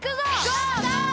ゴー！